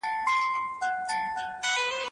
هغوی چې ستاسې د ودې لامل ګرځي.